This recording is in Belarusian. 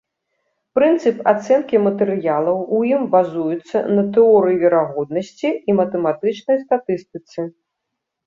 Прынцып ацэнкі матэрыялу ў ім базуецца на тэорыі верагоднасці і матэматычнай статыстыцы.